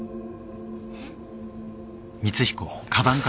えっ？